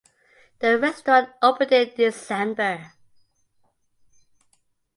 The restaurant opened in December.